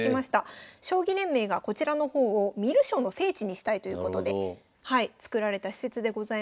将棋連盟がこちらの方を観る将の聖地にしたいということで造られた施設でございます。